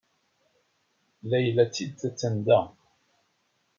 Layla d tidet a-tt-an da.